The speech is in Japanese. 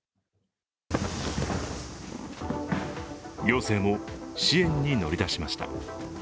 行政も支援に乗り出しました。